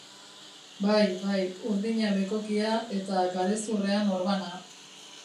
Bai, bai, urdina bekokia, eta garezurrean orbana.